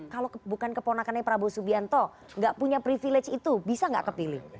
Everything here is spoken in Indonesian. kalau bukan keponakannya prabowo subianto nggak punya privilege itu bisa nggak kepilih